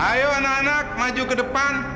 ayo anak anak maju ke depan